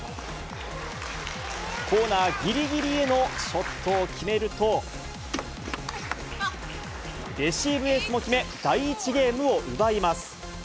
コーナーぎりぎりへのショットを決めると、レシーブエースも決め、第１ゲームを奪います。